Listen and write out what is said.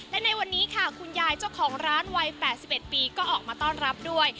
และในวันนี้ค่ะคุณยายเจ้าของร้านวัย๘๑ปีก็ออกมาต้อนรับด้วย